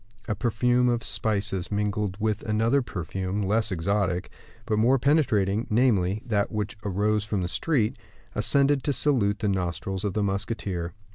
A perfume of spices, mingled with another perfume less exotic, but more penetrating, namely, that which arose from the street, ascended to salute the nostrils of the musketeer.